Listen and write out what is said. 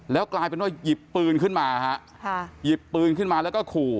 แล้วกลายเป็นว่าหยิบปืนขึ้นมาฮะค่ะหยิบปืนขึ้นมาแล้วก็ขู่